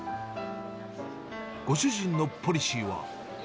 ご主人のポリシーは。